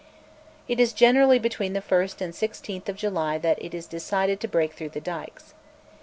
It is generally between the 1st and 16th of July that it is decided to break through the dykes.